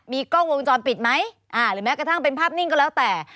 มีกล้องวงจรปิดไหมอ่าหรือแม้กระทั่งเป็นภาพนิ่งก็แล้วแต่